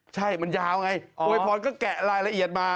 ใช่มันยาวไงอวยพรก็แกะรายละเอียดมา